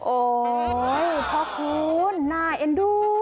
โอ้โหพ่อคูณน่าเอ็นดู